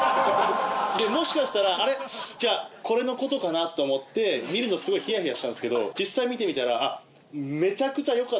でもしかしたら「あれ？これのことかな」と思って見るのすごいヒヤヒヤしたんですけど実際見てみたらめちゃくちゃ良かった。